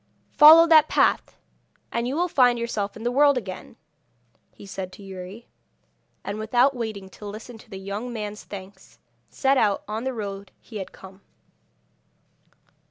'Follow that path, and you will find yourself in the world again,' he said to Youri; and without waiting to listen to the young man's thanks, set out on the road he had come.